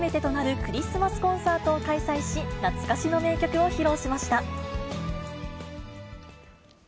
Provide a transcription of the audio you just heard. クリスマスコンサートを開催し、懐かしの名曲を披露しました。